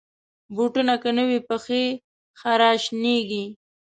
بوټونه که نه وي، پښې خراشانېږي.